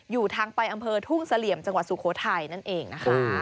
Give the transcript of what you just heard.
อยู่ทางไปอำเภอทุ่งเสลี่ยมจังหวัดสุโขทัยนั่นเองนะคะ